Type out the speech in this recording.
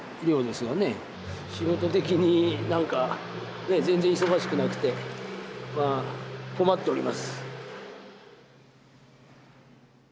仕事的に何かね全然忙しくなくてまあ困っております。